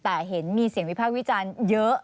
แต่เห็นมีเสียงวิพากษ์วิจารณ์เยอะ